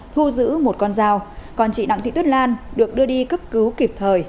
thu giữ một con dao còn chị đặng thị tuyết lan được đưa đi cấp cứu kịp thời